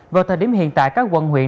vào thời điểm hiện tại các quận huyện